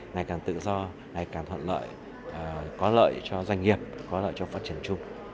ngày càng tự do ngày càng thuận lợi có lợi cho doanh nghiệp có lợi cho phát triển chung